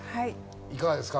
いかがですか？